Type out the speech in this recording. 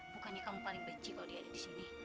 bukannya kamu paling benci kalau dia ada disini